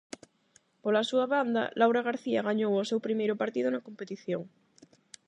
Pola súa banda, Laura García gañou o seu primeiro partido na competición.